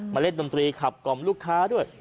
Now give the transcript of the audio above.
เล่นดนตรีขับกล่อมลูกค้าด้วย